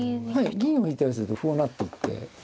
銀を引いたりすると歩を成っていって。